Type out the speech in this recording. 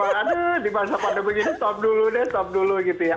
aduh di masa pandemi gini stop dulu deh stop dulu gitu ya